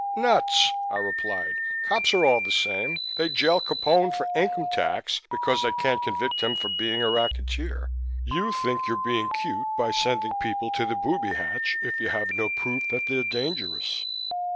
"Nuts!" I replied. "Cops are all the same. They jail Capone for income tax because they can't convict him of being a racketeer. You think you're being cute by sending people to the booby hatch if you have no proof that they're dangerous.